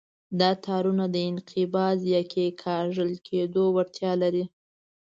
دا تارونه د انقباض یا کیکاږل کېدو وړتیا لري.